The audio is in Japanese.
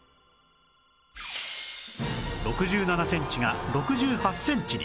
６７センチが６８センチに